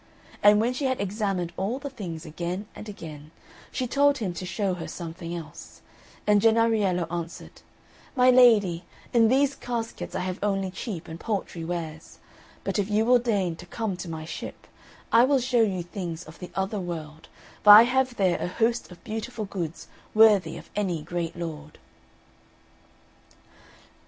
And when she had examined all the things again and again, she told him to show her something else; and Jennariello answered, "My lady, in these caskets I have only cheap and paltry wares; but if you will deign to come to my ship, I will show you things of the other world, for I have there a host of beautiful goods worthy of any great lord."